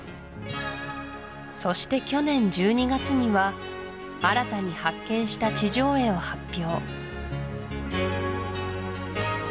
そして去年１２月には新たに発見した地上絵を発表